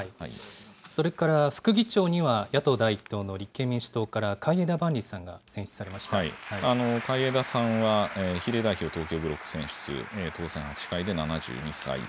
それから副議長には、野党第１党の立憲民主党から海江田万里海江田さんは、比例代表東京ブロック選出、当選８回で７２歳。